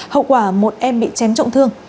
hậu quả một em bị chém trọng thương